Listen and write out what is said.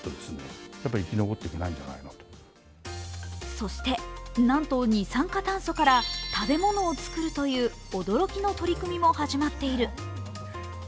そして、なんと二酸化炭素から食べ物を作るという驚きの取り組みも始まっている。